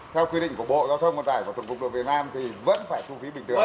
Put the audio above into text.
theo quy định của bộ giao thông vận tải và tổng cục đường việt nam thì vẫn phải thu phí bình thường